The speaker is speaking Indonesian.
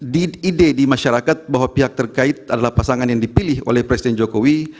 deat ide di masyarakat bahwa pihak terkait adalah pasangan yang dipilih oleh presiden jokowi